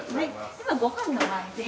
今ごはんの前で。